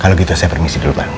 kalau gitu saya permisi dulu bang